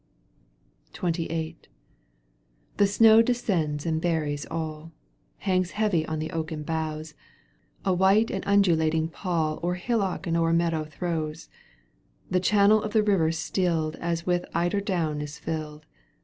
XXVIII. The snow descends and buries all, Hangs heavy on the oaken boughs, A white and undulating pall O'er hillock and o'er meadow throws. The channel of the river stilled As if with eider down is filled.